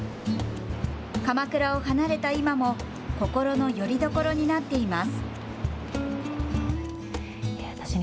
鎌倉を離れた今も心のよりどころになっています。